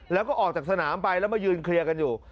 แล้วก็ออกจากสนามไปแล้วมายืนเคลียร์กันอยู่